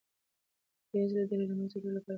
د بېوزلۍ د له منځه وړلو لپاره پلان جوړیږي.